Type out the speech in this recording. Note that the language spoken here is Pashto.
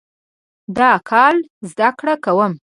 دا کال زده کړه کوم